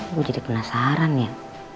gue jadi penasaran ya